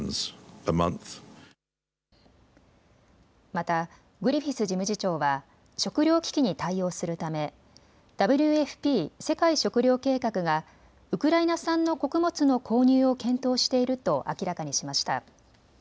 またグリフィス事務次長は食料危機に対応するためＷＦＰ・世界食糧計画がウクライナ産の穀物の購入を検討していると明らかにしました。